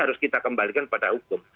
harus kita kembalikan kepada hukum